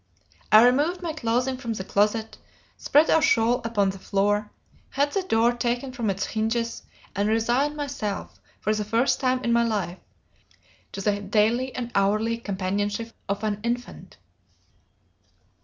I removed my clothing from the closet, spread a shawl upon the floor, had the door taken from its hinges, and resigned myself, for the first time in my life, to the daily and hourly companionship of an infant.